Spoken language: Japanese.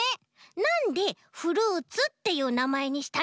なんでフルーツっていうなまえにしたの？